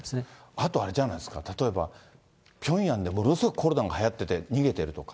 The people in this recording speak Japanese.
あとあれじゃないですか、例えば、ピョンヤンでものすごくコロナがはやってて、逃げてるとか。